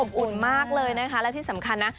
อุ่นมากเลยนะคะและที่สำคัญนะ